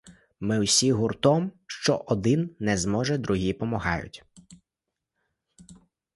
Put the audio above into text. Ми всі гуртом: що один не зможе — другі помагають.